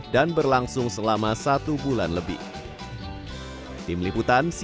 dan berlangsung selama satu bulan lebih